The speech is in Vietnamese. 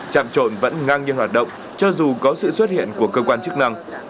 chạm trộn vẫn ngang như hoạt động cho dù có sự xuất hiện của cơ quan chức năng